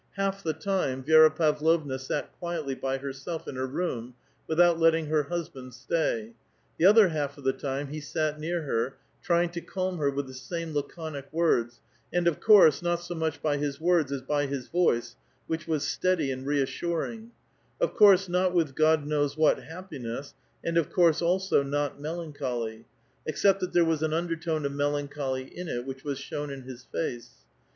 Half the time Vi6ra Pavlovna sat quietly by hei*self in her room, without letting her husband stay ; the other half of the time he sat near her, trying to calm her with the same laconic words, and of course, not so much by his words as by his voice, which was steady and reassuring ; of course not with God knows what happiness, and of course, also, not melancholy ; except that there was an undertone of mel ancholy in it, which was shown in liis face.